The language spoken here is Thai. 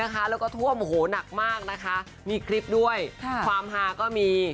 ความความฮาก็มี